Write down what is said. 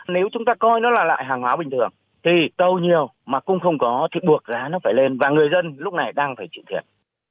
nếu chúng ta coi nó là lại hàng hóa bình thường thì tàu nhiều mà cũng không có thì buộc giá nó phải lên và người dân lúc này đang phải chịu thiệt